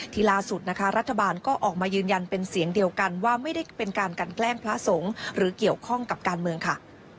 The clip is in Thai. ทีล่าสุดนะคะรัฐบาลก็ออกมายืนยันเป็นเสียงเดียวกันว่าไม่ได้เป็นการกันแกล้งพระสงฆ์หรือเกี่ยวข้องกับการเมืองค่ะ